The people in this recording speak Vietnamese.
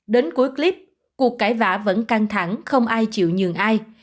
đến cuối clip cuộc cải vã vẫn căng thẳng không ai chịu nhường ai